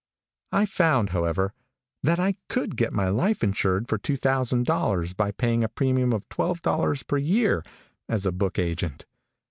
"I found, however, that I could get my life insured for two thousand dollars by paying a premium of twelve dollars per year, as a book agent.